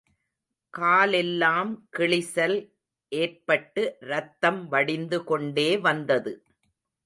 காலெல்லாம் கிழிசல் ஏற்பட்டு ரத்தம் வடிந்து கொண்டே வந்தது.